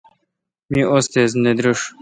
می استیز نہ دریݭ۔